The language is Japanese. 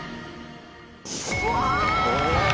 うわ！